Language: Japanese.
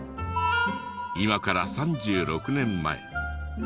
今から３６年前。